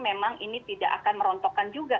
memang ini tidak akan merontokkan juga